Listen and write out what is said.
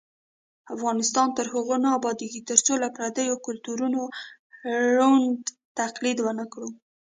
افغانستان تر هغو نه ابادیږي، ترڅو له پردیو کلتورونو ړوند تقلید ونکړو.